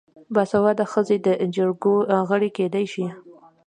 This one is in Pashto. باسواده ښځې د جرګو غړې کیدی شي.